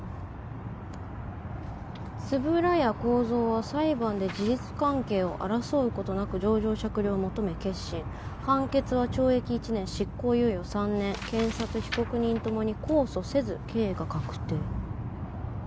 「円谷耕三は裁判で事実関係を争うことなく」「情状酌量を求め結審」「判決は懲役１年執行猶予３年」「検察・被告人ともに控訴せず刑が確定」